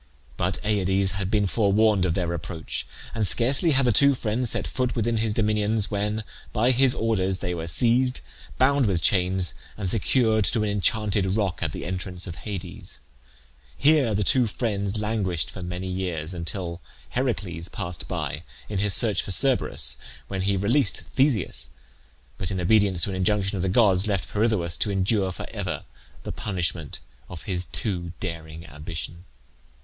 But Aides had been forewarned of their approach, and scarcely had the two friends set foot within his dominions when, by his orders, they were seized, bound with chains, and secured to an enchanted rock at the entrance of Hades. Here the two friends languished for many years, until Heracles passed by in his search for Cerberus, when he released Theseus; but in obedience to an injunction of the gods, left Pirithoeus to endure for ever the punishment of his too daring ambition.